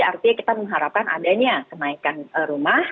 artinya kita mengharapkan adanya kenaikan rumah